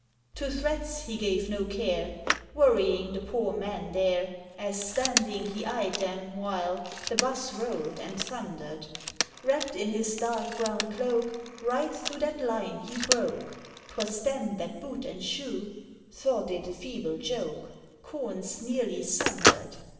IV. To threats he gave no care. Worrying the poor man there, As standing he eyed them, while The 'bus rolled and thundered. Wrap't in his dark, brown cloak. Right through that line he broke, 'Twas then that boot and shoe Thought it a feeble joke — Corns nearly sundered!